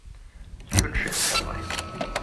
Ich wünsche es herbei.